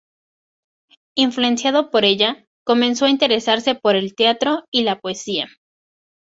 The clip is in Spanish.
Influenciado por ella, comenzó a interesarse por el teatro y la poesía.